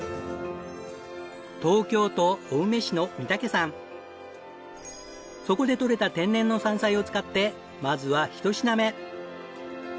「ほんだし」でそこで採れた天然の山菜を使ってまずは１品目。